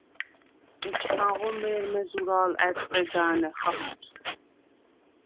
ეჩქანღო მე̄რმე ზურა̄ლ ა̈დყედა̄ნე ხახუ̂დ.